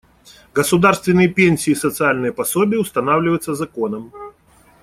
Государственные пенсии и социальные пособия устанавливаются законом.